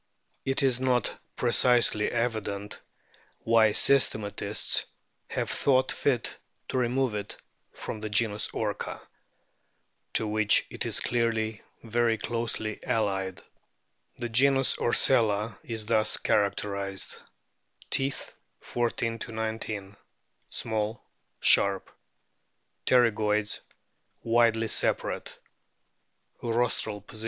It is not precisely evident why systematists have thought fit to remove it from the genus Orca, to which it is clearly very closely allied. The o enus ORCELLA is thus characterised : o Teeth, 14 19, small, sharp. Pterygoids widely * De PHistoire Naturelle des Cetace'es, p. 179.